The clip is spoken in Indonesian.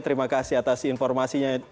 terima kasih atas informasinya